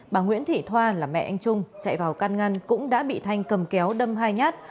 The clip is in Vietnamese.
bà nguyễn thị thoa là mẹ anh trung chạy vào can ngăn cũng đã bị thanh cầm kéo đâm hai nhát